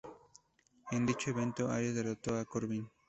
En dicho evento, Aries derrotó a Corbin.